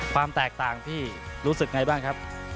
ความแตกต่างพี่รู้สึกไงบ้างครับ